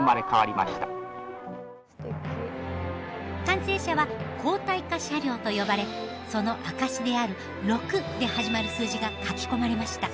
完成車は鋼体化車両と呼ばれその証しである「６」で始まる数字が書き込まれました。